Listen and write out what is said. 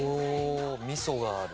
味噌がある。